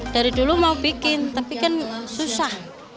dari dulu mau bikin tapi kan susah